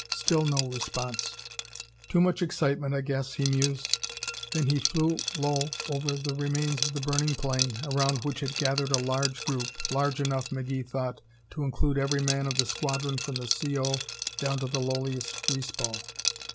Still no response. "Too much excitement, I guess," he mused. Then he flew low over the remains of the burning plane, around which had gathered a large group large enough, McGee thought, to include every man of the squadron from the C.O. down to the lowliest greaseball.